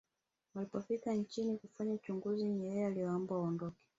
walipofika nchini kufanya uchunguzi nyerere aliwaomba waondoke